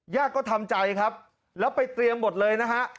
ก็ทำใจครับแล้วไปเตรียมหมดเลยนะฮะ